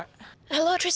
memang kamu mau memberi sis